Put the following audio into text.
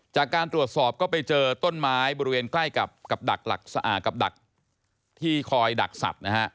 จากการตรวจสอบก็ไปเจอต้นไม้บริเวณใกล้กับกับดักหลักสะอากับดักที่คอยดักสัตว์นะฮะ